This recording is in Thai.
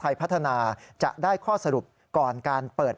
และรัฐบาลเป็นขั้งที่๓